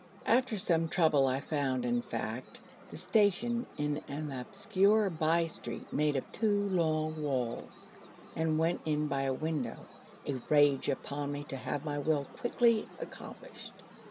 After some trouble I found, in fact, the station in an obscure by street made of two long walls, and went in by a window, a rage upon me to have my will quickly accomplished.